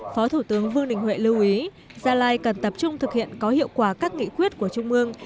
phó thủ tướng vương đình huệ lưu ý gia lai cần tập trung thực hiện có hiệu quả các nghị quyết của trung mương